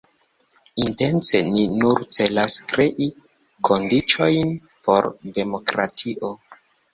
Intence ni nur celas krei kondiĉojn por demokratio.